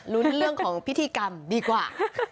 รุ้นเรื่องของพิธีกรรมดีกว่า